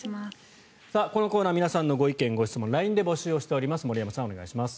このコーナー皆さんのご意見・ご質問をＬＩＮＥで募集しています。